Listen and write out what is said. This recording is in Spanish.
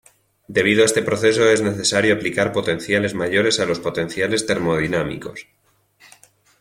Debido a este proceso es necesario aplicar potenciales mayores a los potenciales termodinámicos.